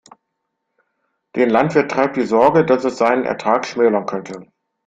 Den Landwirt treibt die Sorge, dass es seinen Ertrag schmälern könnte.